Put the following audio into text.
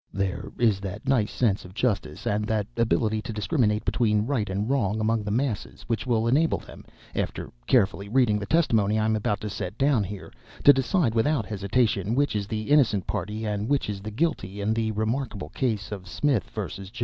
There is that nice sense of justice and that ability to discriminate between right and wrong, among the masses, which will enable them, after carefully reading the testimony I am about to set down here, to decide without hesitation which is the innocent party and which the guilty in the remarkable case of Smith vs.